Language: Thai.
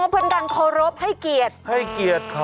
เป็นการโขลบให้เกียจให้เกียจเขา